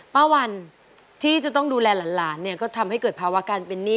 วันที่จะต้องดูแลหลานเนี่ยก็ทำให้เกิดภาวะการเป็นหนี้